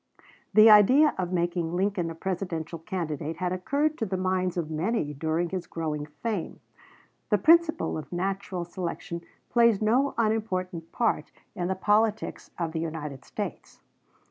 The idea of making Lincoln a Presidential candidate had occurred to the minds of many during his growing fame. The principle of natural selection plays no unimportant part in the politics of the United States.